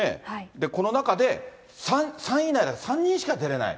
この中で３位以内だから、３人しか出れない。